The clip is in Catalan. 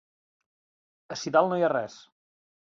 Ací dalt no hi ha res.